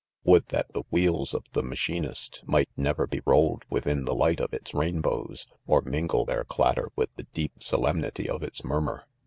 'Would ttiatthe 1 wheels 1 of the 1 machinist, might never be rolled' within the light of its J r'aihb'oWsv ormin^'their clatter with the' deep solemnity of its murmur